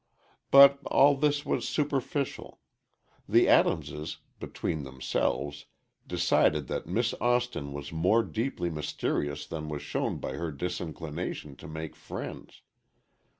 But all this was superficial. The Adamses, between themselves, decided that Miss Austin was more deeply mysterious than was shown by her disinclination to make friends.